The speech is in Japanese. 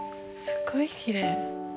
すごいきれい。